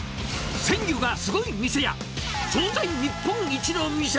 鮮魚がすごい店や、総菜日本一の店。